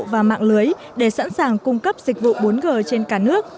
và mạng lưới để sẵn sàng cung cấp dịch vụ bốn g trên cả nước